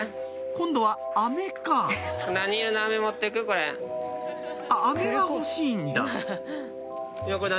今度はアメかあっアメは欲しいんだ